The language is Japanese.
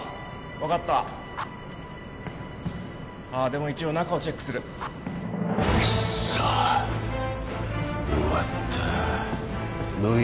分かったああでも一応中をチェックするクッソ終わった乃木